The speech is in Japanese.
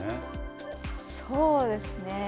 そうですね。